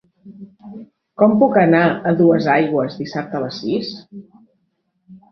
Com puc anar a Duesaigües dissabte a les sis?